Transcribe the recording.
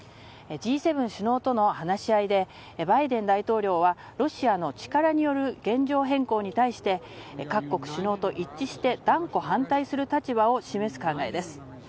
Ｇ７首脳との話し合いでバイデン大統領はロシアの力による現状変更に対して各国首脳と一致して断固反対する立場を示す考えです。